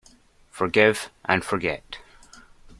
Forgive and forget.